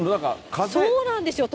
そうなんですよ。